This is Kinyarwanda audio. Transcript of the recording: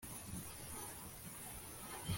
wa mumowabukazi, umugore wa nyakwigendera